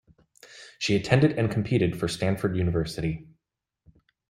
She attended and competed for Stanford University.